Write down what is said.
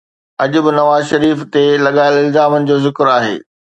اڄ به نواز شريف تي لڳايل الزامن جو ذڪر آهي.